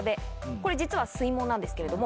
これ実は水門なんですけれども。